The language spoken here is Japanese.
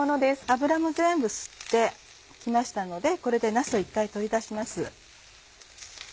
油も全部吸って来ましたのでこれでなすを一回取り出します。